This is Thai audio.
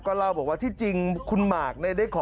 เล่าบอกว่าที่จริงคุณหมากได้ขอ